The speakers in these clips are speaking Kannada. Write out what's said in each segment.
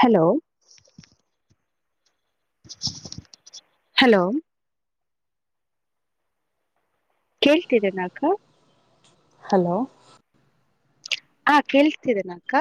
ಹಲೋ ಹಲೋ ಕೇಳ್ತಿದಿನ ಅಕ್ಕ ಹಲೋ ಹಾ ಕೇಳ್ತಿದೆನ ಅಕ್ಕ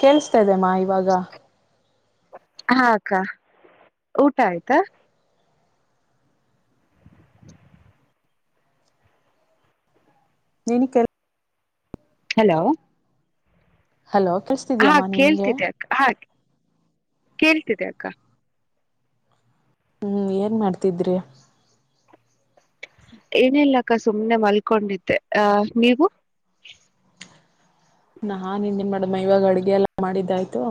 ಕೇೇಳಸ್ತಾದೆಮ್ಮ ಇವಾಗ ಹಾಕ್ಕ ಊಟ ಆಯ್ತಾ ನೀನಿಗ್ ಕೆ - - ಹಲೋ ಹಲೋ ಹಾ ಕೇಳ್ಸ್ತಿದ್ಯಮ್ಮ ನಿನ್ಗೆ ಕೇಳ್ತ್ತಿದೆ ಅಕ್ಕ ಹಾ ಕೇಳ್ತಿದೆ ಅಕ್ಕ. ಹ್ಮ್ ಏನ್ ಮಾಡ್ತಿದ್ರಿ. ಏನಿಲ್ಲಕ್ಕ ಸುಮ್ನೆ ಮಲ್ಕೊಂಡಿದ್ದೆ ಅ ನೀವು. ನಾನ್ ಇನ್ನೆನ್ ಮಾಡಮ್ಮ ಇವಾಗ್ ಅಡ್ಗೆ ಎಲ್ಲ ಮಾಡಿದ್ದಾಯಯ್ತು.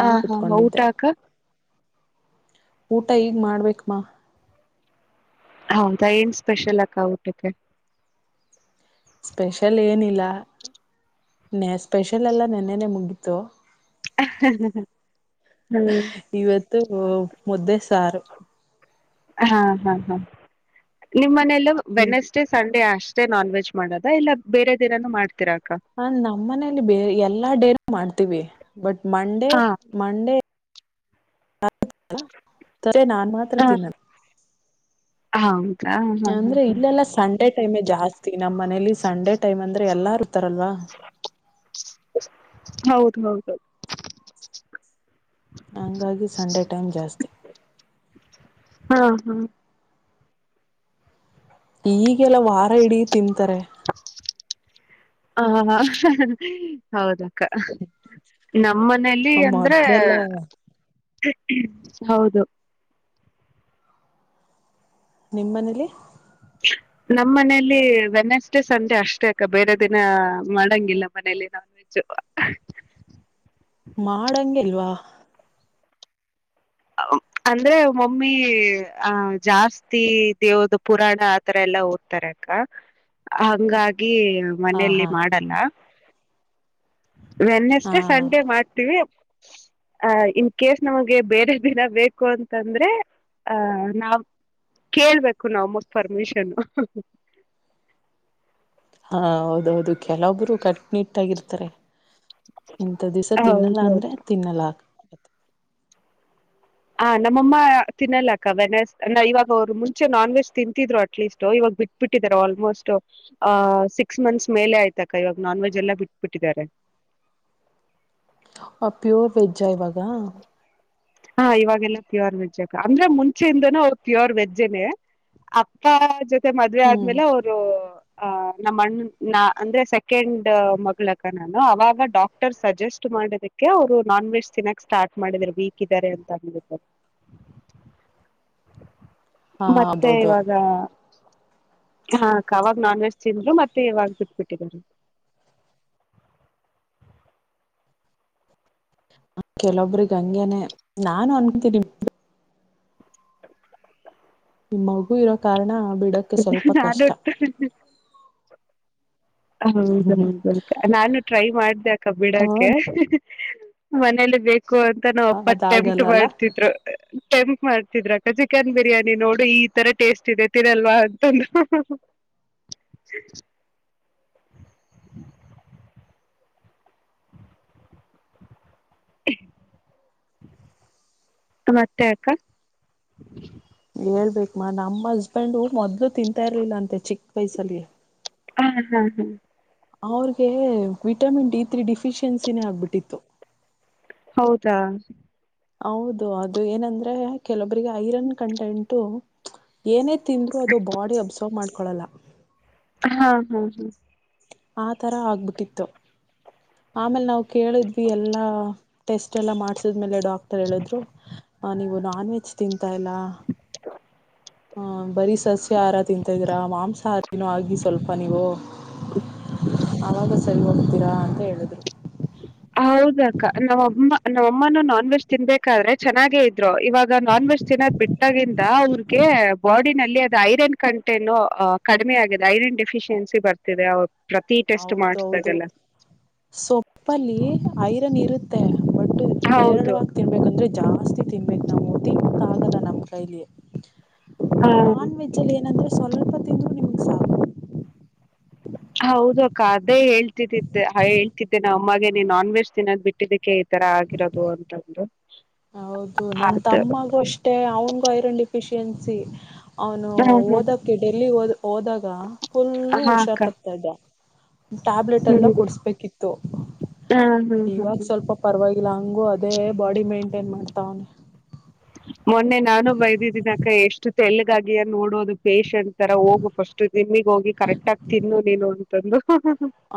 ಹಾ ಹಾ ಹ ಕುೂತ್ಕೊಂಡಿದ್ದೆ ಊಟಕ್ಕ. ಊಟ ಈಗ್ ಮಾಡ್ಬೇಕಕ್ ಹೌ ತೈಏನ್ ಸ್ಪೆಷಲ್ ಆಕ ಊಟಕ್ಕೆ ಸ್ಪೆಷಲ್ ಏನಿಲ್ಲ ನ ಸ್ಪೆಷಲ್ ಎಲ್ಲ ನೆನ್ನೆನೆ ಮುಗೀಿತು ಹ್ಮ್ ಇವತ್ತು ಮುದ್ದೆ ಸಾರು ಹಾ ಹಾ ಹಾ ನಿಮ್ಮ ಮನೆಯಲ್ಲ ವೆನಸ್ಡೇ ಸ ಅಷ್ಟೇ ನಾನ್ ವೆಜ್ ಮಾಡದ ಇಲ್ಲ ಬೇರೆ ದೇನನು ಮಾಡ್ತಿೀರಾ ಹಾ ನಮ್ಮ್ ಮನೇಲಿ ಬೇ ಎಲ್ಲಾ ಡೇರಿ ಮಾಡ್ತೀವಿ ಬಟ್ ಮಂಡೇ ಹಾ ಮಂಡೇ ತರೆ ನಾನ್ ಮಾತ್ರ ಹ ತಿನ್ನಲ್ಲ ಹಾ ಹಾ ಅಂದ್ರೆ ಹಾ ಇಲ್ಲೆಲ್ಲ ಸಂಡೆ ಟೈಮ ಜಾಸ್ತಿ ನಮ್ಮ್ ಮನೇಲಿ ಸಂಡೇ ಟೈಮ್ ಅಂದ್ರೆ ಎಲ್ಲಾರ್ ಇರ್ತಾರಲ್ವಾ ಹೌದು ಹೌದುೌದು ಹಂಗಾಗಿ ಸಂಡೆ ಟೈಮ್ ಜಾಸ್ತಿ ಹಾ ಈಗೆಲ್ಲ ವಾರ ಹಿಡೀ ತಿಂತಾರೆ ಹ ಹೌದಾ ನಮ್ಮ ಮನೇಲಿ ಅಂದ್ರೆ ಮೊದ್ಲೆಲ್ಲ ಹೌದು ನಿಮ್ಮ ಮನೇಲಿ ನಮ್ಮ್ ಮನೆಯಲ್ಲಿ ವೆನೆಸ್ಡೇ ಸಂಡೆ ಅಷ್ಟೇ ಅಕ್ಕ ಬೇರೆ ದಿನ ಮಾಡಂಗಿಲ್ಲ ಮನಲಿ ನ ಹ ಮಾಡಂಗಲ್ವಾ ಅಂದ್ರೆ ಮಮ್ಮಿ ಆ ಜಾಸ್ತಿ ದೇವದ ಪುರಾಣ ಆತರ ಎಲ್ಲ ಎಲ್ಲ ಓದತಾರೆಕ್ಕ ಹಂಗಾಗಿ ಹಾ ಮನಲಿ ಹಾ ಮಾಡಲ್ಲ ವೆನ್ನಸ ಹಾ ಸಂಡೇ ಮಾಡ್ತೀವಿ ಆ ಇನ್ ಕೇಸ್ ನಮಗೆ ಬೇರೆ ದಿನ ಬೇಕು ಅಂತಂದ್ರೆ ಆಹ ನಾಾವ್ ಕೇಳ್ಬೇಕು ನಾಮಸ್ ಪರ್ಮಿಷನ್ ಹಾ ಹೌದೌದು ಕೆಲವೊಬ್ಬರು ಕಟ್ನಿಟ್ಟಾಗಿರ್ತಾರೆ ಇಂಂತ ದಿವ್ಸ ತಿನ್ನಲ್ಲ ಹೌದು ಅಂದ್ರೆ ಅಕ್ಕ ತಿನ್ನಲ್ಲ ಆೆ ಹ ನಮ್ಮಮ್ಮ ತಿನ್ನಲ್ಲಕ್ಕ ವೆನಸ್ ಇವಾಗ ಅವ್ರು ಮುಂಚೆ ನಾನ್ ವೆಜ್ ತಿಂತಿದ್ರು ಅಟ್ಲೀಸ್ಟ್ ಇವಾಗ ಬಿಟ್ಬಿಟ್ಟಿದ್ದಾರೆ ಆಲ್ಮೋಸ್ಟ್ ಅ್ ಸಿಕ್ಸ್ ಮಂತ್ಸ್ ಮೇಲೆ ಆಯ್ತಾಕ ಇವಾಗ ನಾನ್ ವೆಜ್ ಎಲ್ಲ ಬಿಟ್ಬಿಟ್ಟಿದ್ದಾರೆ ಹ ಆ ಪ್ಯೂರ್ ವೆಜ್ಜಾ ಇವಾಗ ಹಾ ಇವಾಗೆಲ್ಲ ಪ್ಯೋರ್ ವೆಜ್ಜ್ಕ ಅಂದ್ರೆ ಮುಂಚೆಯಿಂದನ ಅವ್ರ ಪ್ಯೋರ್ ವೆಜ್ಜನೇ ಅಪ್ಪ ಜೊತೆ ಮದ್ವೆ ಹ್ಮ್ ಆದ್ಮೇಲೆ ಅವರು ನಮ್ಮಣ್ಣ ನಾ ಅಂದ್ರೆ ಸೆಕೆಂಡ್ ಮಗಳಕ್ಕ ನಾನು ಅವಾಗ ಡಾಕ್ಟರ್ ಸಜೆಸ್ಟ್ ಮಾಡದಕ್ಕೆ ಅವ್ರು ನಾನ್ ವೆಜ್ ತಿನ್ನಾಕ್ ಸ್ಟಾರ್ಟ್ ಮಾಡಿದ್ ಬಿ ಕ ರಂತ ಹಾ ಮತ್ತೆ ಹೌದು ಇವಾಗ ಹಾ ಕಾವಾಗ ನಾನ್ ವೆಜ್ ತಿಂದ್ರು ಮತ್ತೆ ಯವಾಗ ಬಿಟ್ಬಿಟ್ಟರು ಹ ಕೆಲೊಬ್ರಿಗೆ ಹಂಂಗಗೆನೆ ನಾನು ಅನ್ಕೊತೀನಿ ನಿಮ್ಮ ಮಗು ಇರೋ ಕಾರಣ ನಾನು ಬಿಡಕ್ಕೆ ಸ್ವಲ್ಪ ಕಷ್ಟ ಹೌದೌದು ನಾನು ಟ್ರೈ ಮಾಡ್ದಕ ಹ ಬಿಡಕೆ ಮನೇಲಿ ಬೇಕು ಅಂತ ನಾ ಒಪ್ಪ ಟೆಂಪ್ಟ ಅದಾಗಲ್ಲಲ್ಲ ಮಾಡ್ತಿದ್ರು ಮಾಡ್ತಿದ್ರಕ್ಕ ಚಿಕನ್ ಬಿರಿಯಾನಿ ನೋಡು ಈ ತರ ಟೇಸ್ಟ್ ಇದೆ ಎಲ್ವಾಂತ ಮತ್ತೆ ಆಕ್ಕಾ ಹೇಳ್ಬೇಕಮ್ಮ ನಮ್ಮ ಹಸ್ಬೆಂಡು ಮೊದ್ಲು ತಿಂತಾ ಇರ್ಲಿಲ್ಲ ಅಂತೆ ಚಿಕ್ಕ ವಯ್ಸಲ್ಲಿ ಹ್ಮ ಎಲ್ಲ ಆಯ್ತು ಅವ್ರಗೆ ವಿಟಮಿನ್ ಡಿ ತ್ರಿ ಡಿಫಿಶಿಯನ್ಸಿನೇ ಆಗ್ಬಿಟ್ಟಿತ್ತು ಹೌದಾ ಹೌದು ಅದು ಏನಂದ್ರೆ ಕೆಲೊಬ್ರರಿಗೆ ಐರನ್ ಕಂಟೆಂಟು ಏನೇ ತಿಂದ್ರು ಅದು ಬಾಡಿ ಅಬ್ಸರ್ವ್ ಮಾಡ್ಕೊಳ್ಳಲ್ಲ ಹಾ ಹಾ ಹಾ ಆ ತರ ಆಗ್ಬಿಟ್ಟಿತ್ತು ಆಮೇಲೆ ನಾವ್ ಕೇಳಿದ್ವಿ ಎಲ್ಲಾ ಟೆಸ್ಟ್ ಎಲ್ಲ ಮಾಡ್ಸಿದ್ಲೆ ಡಾಕ್ಟರ್ ಹೇಳಿದ್ರು ಹ ನೀವು ನಾನ್ ವೆಜ್ ತಿಂತಾ ಇಲ್ಲ ಹ ಬರೀ ಸಸ್ಯಹಾರ ತಿಂತಿದೀರಾ ಮಾಂಸಾಹಾರಿನೂ ಆಗಿ ಸ್ವಲ್ಪ ನೀವು ಹ ಆಾಗ ಸರಿ ಹೋಗುತ್ತೀರಾ ಅಂತ ಹೇಳಿದ್ರು ಹೌದಕ್ಕ ನಾವಮ್ಮ ನಮ್ಮ ಅಮ್ಮನು ನಾನ್ ವೆಜ್ ತಿನ್ಬೇಕಾದ್ರೆ ಚೆನ್ನಾಗೆ ಇದ ಇವಾಗ ನಾನ್ ವೆಜ್ ಚೆನ್ನಾದ್ ಬಿಟ್ಟಾಗಿ ಅವ್ರಿಗೆ ಬಾಡಿನಲ್ಲಿ ಅದು ಐರನ್ ಕಂಟೆನ್ ಕಡಿಮೆ ಆಗಿದೆ ಐರನ್ ಡೆಫಿಷಿಯನ್ಸಿ ಬರ್ತದೆ ಪ್ರತಿ ಟೆಸ್ಟ್ ಹೌದು ಹೌದು ಮಾಡಸಿದಾಗಲ್ಲ ಸೊಪ್ಪಲ್ಲಿ ಐರನ್ ಇರುತ್ತೆ ಬಟ್ ಹೌದು ಹೇರಳವಾಗಿ ತಿನ್ಬೇಕಂದ್ರೆ ಜಾಸ್ತಿ ತಿನ್ಬೇಕ ನಾವು ತಿಕ್ ಆಗಲ್ಲ ನಮ್ಮ್ ಕೈಲಿ ಹ ನಾನ್ ವೆಜ್ ಅಲ್ಲಿ ಏನಂದ್ರೆ ಸ್ವಲ್ಪ ತಿಂದು ನಿಮಗೆ ಸಾಕು ಕ ಅದೇ ಹೇಳ್ತಿದ್ದಿದ್ದೆ ಹೇಳ್ತಿದ್ದೆ ನ ಅಮ್ಮಾಗೆ ನೀ ನಾನ್ ವೆಜ್ ತಿನ್ನೋ ಬಿಟ್ಟಿದ್ದಕ್ಕೆ ಈ ತರ ಆಗಿರೋದು ಅಂತ್ರು ಹೌದು ನನ್ ತಮ್ಮಗೂ ಅಷ್ಟೆ ಅವನ್ಗೂ ಐರನ್ ಡಿಫಿಶಿಯೆನ್ಸಿ ಅವನು ಓದಕ್ಕೆ ಡೆಲ್ಲಿದ ಹೋದಾಗ ಹ ಫುಲ್ಲ ಹಾ ಅಕ್ಕ ಹುಷಾರ್ ತಕ್ತಾ ಇದ್ದ ಟ್ಯಾಬ್ಲೆಟ್ ಎಲ್ಲ ಹ್ಮ್ ಕುಡಸ್ಬೇಕಿತ್ತು ಹ ಹ್ಮ್ ಹ್ಮ್ ಇವಾಗ ಸ್ವಲ್ಪ ಪರವಾಗಿ ಇಲ್ಲ ಹಂಗು ಅದೇ ಬಾಡಿ ಮೇಂಟೈನ್ ಮಾಡ್ತಾವನ ಮೊನ್ನೆ ನಾನು ಬೈದಿದ್ದಿನ ಎಷ್ಟು ತೆಲ್ಗಾಗಿಯ ನೋಡೋದು ಪೇೇಶಂಟ್ ತರ ಹೋಗು ಫಸ್ಟ್ ನಿಮಗ ಹೋಗಿ ಕರೆಕ್ಟ್ ಆಗ ತಿನ್ನು ನಿನ್ ಅಂತಂದು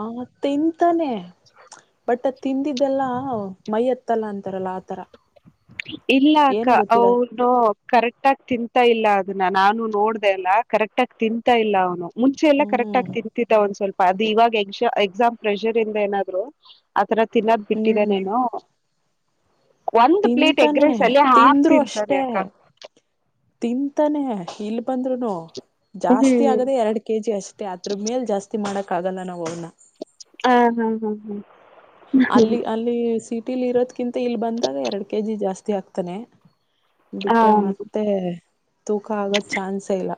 ಆ ತಿಂತಾನೆ ಬಟ್ ಅದ್ ತಿಂದಿದ್ದಲ್ಲ ಮೈ ಎತ್ತಲ್ಲ ಅಂತಾರಲ್ಲ ಆತರ ಇಲ್ಲ ಅಕ್ಕ ಏನೋ ಗೊತ್ತಿರ ಅವನು ಕರೆಕ್ಟ್ ಆಗ ತಿಂತಾ ಇಲ್ಲ ಅನ್ನ ನಾನು ನೋಡ್ದ ಎಲ್ಲ ಕರೆಕ್ಟ್ ಆಗಿ ತಿಂತಾ ಇಲ್ಲ ಅವನು ಮುಂಚೆಲ್ಲ ಕರೆಕ್ಟ್ ಹ್ಮ್ ಆಗಿ ತಿಂತಿದ್ದ ಅವ ಸ್ವಲ್ಪ ಅದು ಇವಾಗ ಎ ಎಕ್ಸಾಮ್ ಪ್ರೆಷರ್ ಇಂದ ಏನಾದ್ರು ಆತರ ತಿನ್ನೋದ್ ಬಿಟ್ಟಿದೆ ಹ್ಮ್ ನೀನು ತಿಂತಾನೆ ರೈಸ್ ಅಲ್ಲಿ ಹಾಫ್ ತಿಂದ್ರು ಅಷ್ಟೇ ತಿಂತಾನೆ ಅಕ್ಕ ತಿಂತಾನೆ ಇಲ್ ಬಂದ್ರುನು ಜಾಸ್ತಿ ಹ್ಮ್ ಆಗದೆ ಎರಡ್ ಕೆಜಿ ಅಷ್ಟೇ ಅದ್ರ ಮೇಲ್ ಜಾಸ್ತಿ ಮಾಡಕ್ ಆಗಲ್ಲ ನಾವ ಅವನ ಹಾ ಹಾ ಹಾ ಹ್ಮ ಅಲ್ಲಿ ಅಲ್ಲಿ ಸಿ ರಿಲ್ಲಿ ಇರೋದ್ಕಿಂತ ಇಲ್ ಬಂದಾಗ ಎರಡ್ ಕೆ ಜಿ ಜಾಸ್ತಿ ಆಗ್ತಾನೆ ಹಾ ಹಾ ಹಾ ಬಿಟ್ರೆ ಹಾ ಮತ್ತೆ ತೂಕ ಆಗೋದ ಚಾನ್ಸ ಇಲ್ಲ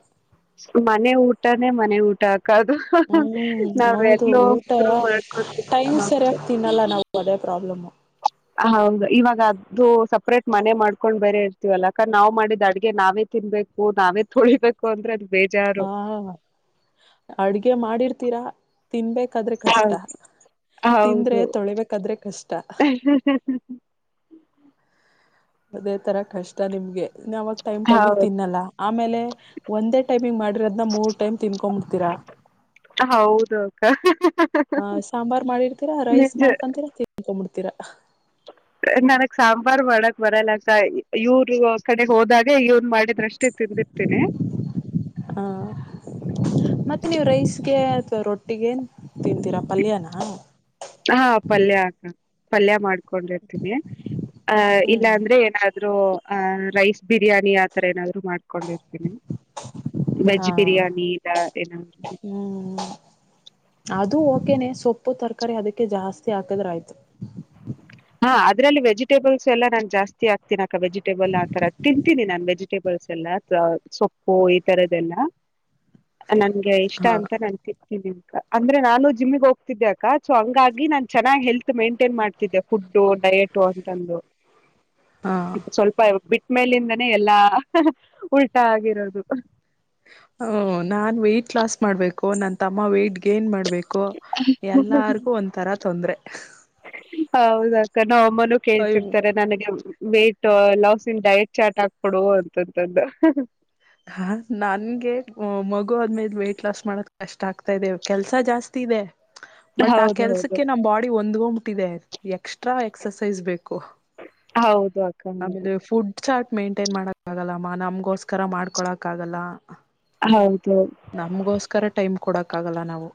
ಮನೆ ಊಟಾನೇ ಮನೆ ಊಟ ಆಗ್ ದು ಹ್ಮ್ ನಾವ ಹೌದು ಎಲ್ಲೋ ಊಟ ಉರು ಮಾಡ್ಕೊತೀವಿ ಪ್ರಾಬ್ಲಮ ಹೌದು ಇವಾಗ ಅ್ದದು ಸಪ್ರೇಟ್ ಮನೆ ಮಾಡ್ಕೊಂಡು ಬೇರೆ ಇರ್ತೀವಲ್ಲಾಕ ನಾವು ಮಾಡಿದ್ದ ಅಡ್ಗೆ ನಾವೇ ತಿನ್ಬೇಕು ನಾವೇ ತೊಳಿಬೇಕು ಅಂದ್ರೆ ಅ ಹಾ ಅಡ್ಗೆ ಮಾಡಿರ್ತೀರಾ ತಿನ್ಬೇಕು ದ್ರೆ ಕಷ್ಟ ಹೌದು ತಿಂದ್ರೆ ತೊಳಬೇಕಾದ್ರೆ ಕಷ್ಟ ಹ ಹ ಹ ಹ ಅದೇ ತರ ಕಷ್ಟ ನಿಮ್ಗೆ ವಾಗ ಟೈಮ್ ಟೈಮ ಹೌದು ತಿನ್ನಲ್ಲ ಆಮೇಲೆ ಒಂದೇ ಟೈಮಿ ಮಾಡಿ ದ್ನ ಮೂರ್ ಟೈಮ್ ತಿನ್ಕೊಂಡ್ಂಬಿಡ್ತೀರಾ ಹೌದು ಅಕ್ಕ ಹ ಸಾಂಬಾರ್ ಮಾಡಿರ್ತೀರಾ ರೈಸ್ ನಿಜ ಮಾಡ್ಕೊಂತೀರಾ ತಿನ್ಕೊಂಬಿಡ್ತೀರಾ [unintelligible] ನನಗ್ ಸಾಂಬಾರಾರ್ ಮಾಡಕ್ ಬರಲ್ಲಕ್ಕ ಇವ್ರ ಕಡೆ ಹೋದಾಗೆ ಇವ್ನ್ ಮಾಡಿದ್ರಷ್ಟ ತಿಂದುಿರ್ತೇನನೆ ಆ ಮತ್ತೆ ನೀವು ರೈಸ್ಗೆ ಅಥವಾ ರೊಟ್ಟಿಗೆ ತಿಂತೀರಾ ಪಲ್ಯನ ಹಾ ಪಲ್ಯ ಆ ಪಲ್ಯ ಮಾಡ್ಕೊಂಡಿರ್ತೀನಿ ಆ ಹ್ಮ್ ಇಲ್ಲಾ ಅಂದ್ರೆ ಏನಾದ ಆ ರೈಸ್ ಬಿರಿಯಾನಿ ಆತರ ಏನ ಮಾಡ್ೊಂಡಿರ್ತ ವೆಜ್ ಹಾ ಬಿರಿಯಾನಿ ಇಲ್ಲ ಏ ಹ ಕೇನೆ ಸೊಪ್ಪು ತರಕಾರಿ ಅದಕ್ಕೆ ಜಾಸ್ತಿ ಹಾಕದ್ರ ಆಯ್ತು ಹಾ ಅದ್ರಲ್ಲಿ ವೆಜಿಟೇಬಲ್ಸ್ ಎಲ್ಲ ನಾನ್ ಜಾಸ್ತಿ ಆಗ್ತನ ಅಕ್ಕ ವೆಜಿಟಬಲ್ ಆ ತರ ತಿಂತೀನಿ ನಾನ್ ವೆಜಿಟೇಬಲ್ಸ್ ಎಲ್ಲ ಸೊಪ್ಪು ಈ ತರದದೆಲ್ಲ ನಂಗೆ ಇಷ್ಟ ಹಾ ಅಂತ ನನ್ ಿ ಅ ಅಂದ್ರೆ ನಾನು ಜಿಮಮ್ಮಗ್ ಹೋಗ್ತಿದ್ದೆ ಅಕ್ಕ ಸೊ ಹಂಗಾಗಿ ನಾನ್ ಚೆನ್ನಾಗಿ್ ಹೆಲ್ತ್ ಮೈಂಟೈನ್ ಮಾಡ್ತಿದ್ದೆ ಫುಡ್ಡು ಡಯೆಟು ಅಂತಂದು ಹಾ ಸ್ವಲ್ಪ ಬಿಟ್ಟ್ಮೇಲಿಂದನೇ ಎಲ್ಲಾ ಉಲ್ಟಾ ಆಗಿರೋದು ಹ ನಾನ್ ವೆಯ್ಟಟ್ ಲಾಸ್ ಮಾಡ್ಬೇಕು ನನ್ ತಮ್ಮ ವೈ್ಟಟ್ ಗೇನ್ ಮಾಡ್ಬೇಕು ಎಲ್ಲಾರಿಗು ಒಂದ ತರ ತೊಂದ್ರರೆ ಹೌದಾಕ್ಕ ನಾ ಅಮ್ಮನೂ ಕೇಳ್ತಿರ್ತಾರೆ ನನಗೆ weight loss in diet chart ಆಗ್ ಕೊೊಡುುವ ಅಂತಂತದ್ದ ಹಾ ನನ್ಗೆ ಮಗು ಅದ್ಮೇಲೆ ವೇ್ಟ್ ಲಾಸ್ ಮಾಡದ ಕಷ್ಟ ಆಗ್ತಾ ಇದದೆೇವ ಕೆಲ್ಸ ಜಾಸ್ತಿ ಇದೆ ಬಟ್ ಆ ಹೌದೌದು ಹೌದು ಕೆಲ್ಸಕ್ಕೆ ನಮ್ ಬಾಡಿ ಹೊಂದ್ಗೊ್ಬಿಟ್ಟಿದೆ ಆಯ್ತ ಎಕ್ಸ್ಟ್ರಾ ಎಕ್ಸಸೈಸ್ ಬೇಕು ಹೌದು ಅಕ್ಕ ಹೌದು ಆಮೇಲೆ ಫುಡ್ ಚಾರ್ಟ್ ಮೇಂಟೈನ್ ಮಾಡಕ್ ಆಗಲ್ಲಮ್ಮ ನಮ್ಗೋಸ್ಕರ ಮಾಡ್ಕೊಳಕ್ ಆಗಲ್ಲ ಹೌದು ನಮಗೋಸ್ಕರ ಟೈಮ್ ಕೊಡಕ್ಕ ಆಗಲ್ಲ ನಾವು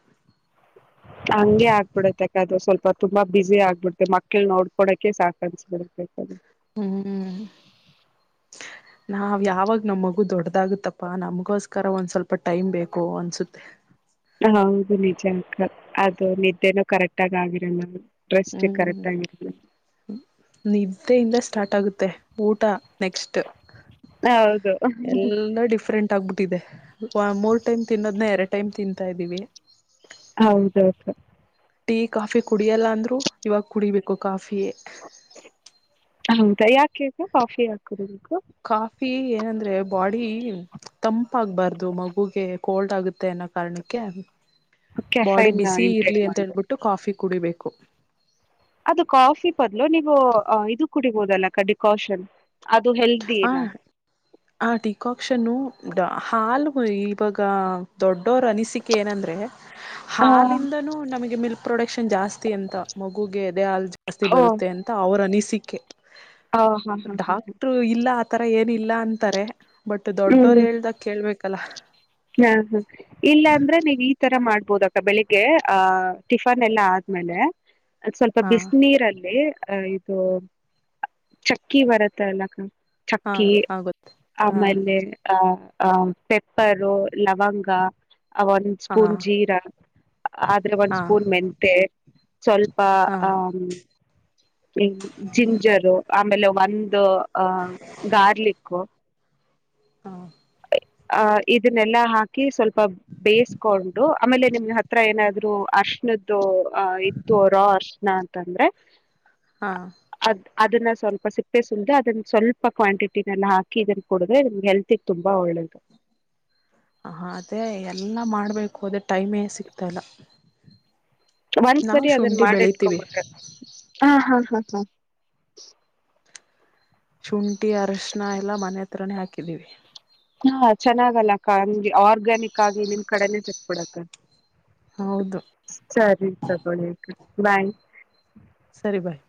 ಹಂಗೆ ಆಗ್ಬಿಡತ್ತಕ್ಕದು ಸ್ವಲ್ಪ ತುಂಬಾ ಬಿಸಿಿ ಆಗ್ಬಿಡ್ತೆ ಮಕ್ಕಳು ನೋಡ್ಕೊೋಕೆ ಸಾಕನ್ಸ್ಬಿಡ್ಬೇಕದು ಹ್ಮ್ ನಾವ್ ಯಾವಾಗ ನಮ್ ಮಗು ದೊಡ್ಡದಾಗುತ್ತಪ್ಪಾ ನಮಗೋಸ್ಕರ ಒಂದ್ ಸ್ವಲ್ಪ ಟೈಮ್ ಬೇಕು ಅನ್ಸುತ್ತೆ ದು ನಿಜ ಅಕ್ಕ ಅದು ನಿದ್ದೆನೂ ಕರೆಕ್ಟ್ ಆ ಆಗಿರ ಮ್ ಡ್ರೆಸ್ ಹ್ಮ್ ಕರೆಕ್ ಆಗಿರ ನಿದ್ದೆಯಿಂದ ಸ್ಟಾರ್ಟ್ ಆಗುತ್ತೆ ಊಟ ನೆಕ್ಸ್ಟ್ ಹೌದು ಎಲ್ಲ ಡಿಫ್ರೆಂಟ್ ಆಗ್ಬ ದೆ ಮೂರ್ ಟೈಮ್ ತಿನ್ನೋದ್ನ ಎರಡು ಟೈಮ್ ತಿಂತಾ ಇದ್ದೀವಿ ಹೌದೌದು ಟೀ ಕಾಫಿ ಕುಡಿಯಲ್ಲ ಅಂದ್ರು ಇವಾಗ ಕುಡಿಬೇಕು ಕಾಫಿಯೇ ಹೌದಾ ಯಾಕು ಕಾಫಿ ಹಾಕಡಬೇಕು ಕಾಫಿ ಏನಂದ್ರೆ ಬಾಡಿ ತಂಪ್ ಆಗ್ಬಾರ್ದು ಮಗುಗೆ ಕೋಲ್ಡ್ ಆಗುತ್ತೆ ಕಾರಣ ಕ ಬಾಡಿ ಕೆಫೈನ್ ಬಿಸಿ ಇಂಟೇಕ್ ಇರ್ಲಿ ಮಾಡ ಅಂತೇಳ್ಬಿಟ್ಟು ಕಾಫಿ ಕುಡಿಬೇಕು ಅದು ಕಾಫಿ ಪದಲು ನೀವು ಇದು ಕುಡಿಬಹುದಲ್ಲ ಡಿಕಾಷನ್ ಅದು ಹೆಲ್ದಿಿನ ಹ ಟಿಕಾಕ್ಷನು ಹಾಲ್ ಇವಾಗ ದೊಡ್ಡವ ರ ಅನ ಸಿ ಏನಂದ್ರೆ ಹಾ ಹಾಲಿಂದನೂ ನಮಗೆ ಮಿಲ್ಕ್ ಪ್ರೊಡಕ್ಷನ್ ಜಾಸ್ತಿ ಅಂತ ಮಗುಗೆ ಎದೆೇ ಹಾಲ್ ಜಾಸ್ತಿ ಓ ಬರುತ್ತೆ ಅಂತ ಅವರ ಅನಿಸಿಕ ಹ ಹಾ ಹಾ ಹಾ ಹಾ. ಡಾಕ್ಟ್ರು ಇಲ್ಲ ಆತರ ಏನಿಲ್ಲ ಅಂತಾರೆ ಬಟ್ ಹ್ಮ್ ದೊಡ್ಡೋರು ಹೇಳ್ದಾಗ ಕೇಳ್ಬೇಕಲ್ಲ ಹಾ ಹಾ ಇಲ್ಲ ಅಂದ್ರೆ ನೀವು ಈ ತರ ಮಾಡ್ ಬೋದಕ ಬೆಳಿಗ್ಗೆ ಆಹ್ ಟಿಫನ್ ಎಲ್ಲ ಆದ್ಮೇಲೆ ಸ್ವಲ್ಪ ಹಾ ಬಿಸ ನೀೀರಲ್ಲಿ ಅ ಇದು ಚಕ್ಕಿ ಬರುತ್ತೆ ಎಲ್ಲಕ್ಕ ಹಾ ಚಕ್ಕಿ ಆಗುತ್ತೆ ಹಾ ಆಮೇಲೆ ಆ ಪೆಪ್ಪರು ಲವಂಗ ಒಂದ ಹಾ ಸ್ಪೂನ್ ಜೀರಾ ಆದ್ರೆ ಒಂದ್ ಹಾ ಸ್ಪೂನ್ ಮೆಂತೆ ಸ್ವಲ್ಪ ಹಾ ಹ ಹ ಜಿಂಜರು ಆಮೇಲೆ ಒಂದು ಅಹ ಗಾರ್ಲಿಕ್ ಹಾ ಅಹ ಇದನ್ನೆಲ್ಲಾ ಹಾಕಿ ಸ್ವಲ್ಪ ಬೇಯಿಸಕೊಂಡು ಆಮೇಲೆ ನಿಮ್ ಹತ್ರ ಏನಾದ್ರು ಅರ್ಶನದ್ದು ಅ ಇತ್ತು ರೋ ಅರ್ಶನ ಅಂತಂದ್ರೆ ಹಾ ಅದ್ ಅದನ್ನ ಸ್ವಲ್ಪ ಸಿಪ್ಪೆ ಸುಲ್್ದು ಅದನ್ನ ಸ್ವಲ್ಪ ಕ್ವಾಂಟಿಟಿನಲ್ಲ ಹಾಕ ಇದನ್ನ ಕೊಡ್ರೆಗೆ ಹೆಲ್ತಿ ತುಂಬಾ ಒಳ್ಳಳ್ಳದು ಹ ಅದೇ ಎಲ್ಲಾ ಮಾಡ್ಬೇಕು ಅೋದ್ರ ಟೈಮೇ ಸಿಕ್ತಲ್ಲ ಒಂದ್ಸರಿ ಅದನ್ ಮಾಡಿ ಇಟ್ಕೊಬಿಟ್ರೆ ಹ ಹ ಹ ಹ ಶುಂಠಿ ಅರಶಣ ಎಲ್ಲಾ ಮನೆ ಹತ್ರನೇ ಹಾಕಿದೀವಿ ಹಾ ಚೆನ್ನಾಗಲ್ಲ ಅಕ್ಕಂಗಗೆ ಆರ್ಗ್ಯಾನಿಕ್ ಆಗಿ ನಿಮ್ ಕಡೆನ ಚಚ್ ಕೊಡಕ್ಕ ಹೌದು ಸರಿ ತಗಳ ಬಾಯ್ ಸರಿ ಬಾಯ್